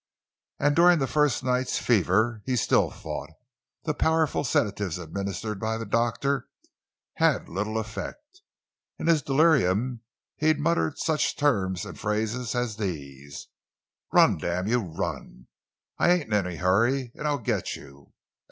And during the first night's fever he still fought; the powerful sedatives administered by the doctor had little effect. In his delirium he muttered such terms and phrases as these: "Run, damn you—run! I ain't in any hurry, and I'll get you!"